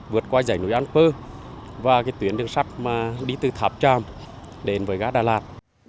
vượt qua dãy núi an phơ và tuyến đường sắt đi từ tháp tràm đến với gã đà lạt